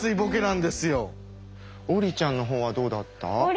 王林ちゃんのほうはどうだった？